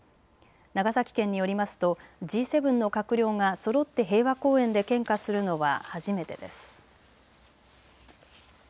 長崎県によりますとＧ７の閣僚がそろって平和公園で献花するのは初めてです。